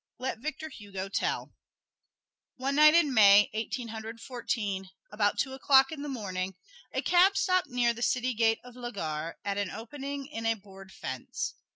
Let Victor Hugo tell: "One night in May, Eighteen Hundred Fourteen, about two o'clock in the morning, a cab stopped near the city gate of La Gare at an opening in a board fence.